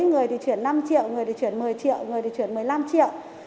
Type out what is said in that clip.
người thì chuyển năm triệu người thì chuyển một mươi triệu người thì chuyển một mươi năm triệu